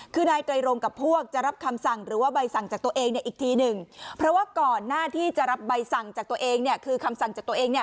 คือนายไตรรงกับพวกจะรับคำสั่งหรือว่าใบสั่งจากตัวเองเนี่ยอีกทีหนึ่งเพราะว่าก่อนหน้าที่จะรับใบสั่งจากตัวเองเนี่ยคือคำสั่งจากตัวเองเนี่ย